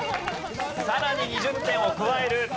さらに２０点を加える。